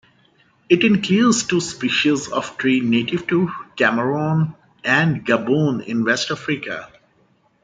It includes two species of tree native to Cameroon and Gabon in West Africa.